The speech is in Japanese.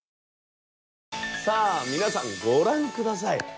さあ皆さんご覧下さい。